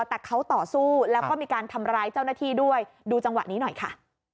แต่เขาต่อสู้แล้วก็มีการทำร้ายเจ้าหน้าที่ด้วยดูจังหวะนี้หน่อยค่ะ